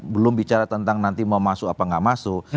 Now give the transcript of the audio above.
belum bicara tentang nanti mau masuk apa nggak masuk